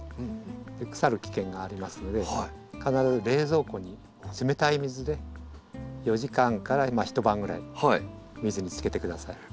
腐る危険がありますので必ず冷蔵庫に冷たい水で４時間から一晩ぐらい水につけてください。